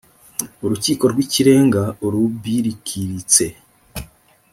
urukiko rw ikirenga urubrkirtse